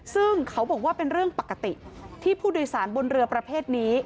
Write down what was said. ซึ่งเขาบอกว่าเป็นเรื่องปกติที่ผู้โดยสารบนเรือประเภทนี้